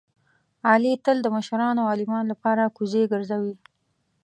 علي تل د مشرانو او عالمانو لپاره کوزې ګرځوي.